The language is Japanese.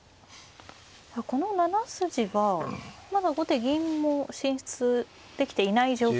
この７筋はまだ後手銀も進出できていない状況なんですが。